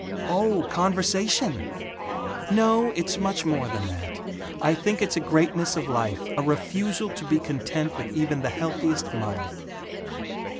"Oh, conversation! No, it's much more than that. I think it's a greatness of life a refusal to be content with even the healthiest mud."